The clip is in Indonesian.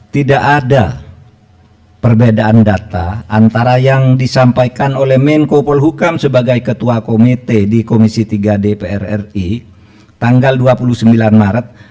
tidak ada perbedaan data antara yang disampaikan oleh menko polhukam sebagai ketua komite di komisi tiga dpr ri tanggal dua puluh sembilan maret